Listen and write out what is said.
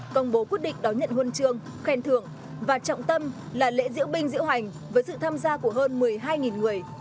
công bố quyết định đón nhận huân chương khen thưởng và trọng tâm là lễ diễu binh diễu hành với sự tham gia của hơn một mươi hai người